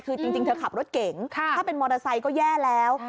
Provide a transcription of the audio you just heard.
คือจริงเธอขับรถเก่งถ้าเป็นมอเตอร์ไซค์ก็แย่แล้ว